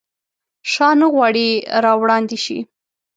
شاه نه غواړي راوړاندي شي.